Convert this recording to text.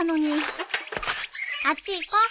あっち行こう。